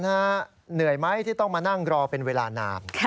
เหนื่อยไหมที่ต้องมานั่งรอเป็นเวลานาน